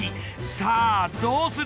さあどうする？